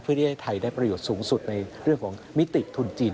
เพื่อที่ให้ไทยได้ประโยชน์สูงสุดในเรื่องของมิติทุนจีน